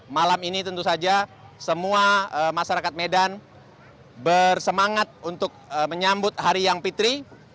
malam ini tentu saja semua masyarakat medan bersemangat untuk menyambut hari yang fitri